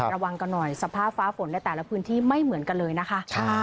ระวังกันหน่อยสภาพฟ้าฝนในแต่ละพื้นที่ไม่เหมือนกันเลยนะคะ